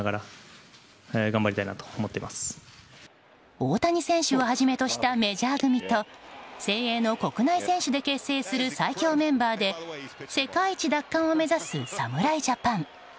大谷選手をはじめとしたメジャー組と精鋭の国内選手で結成する最強メンバーで世界一奪還を目指す侍ジャパン。